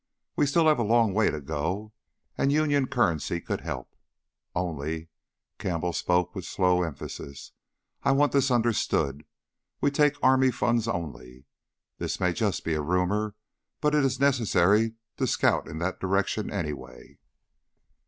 We still have a long way to go, and Union currency could help. Only," Campbell spoke with slow emphasis, "I want this understood. We take army funds only. This may just be a rumor, but it is necessary to scout in that direction anyway."